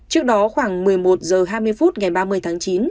trước đó khoảng một mươi một h hai mươi phút ngày ba mươi tháng chín